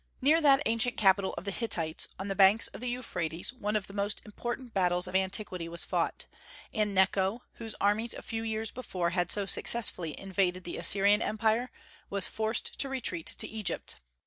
Near that ancient capital of the Hittites, on the banks of the Euphrates, one of the most important battles of antiquity was fought, and Necho, whose armies a few years before had so successfully invaded the Assyrian empire, was forced to retreat to Egypt.